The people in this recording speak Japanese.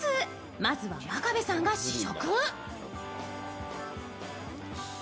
まずは真壁さんが試食。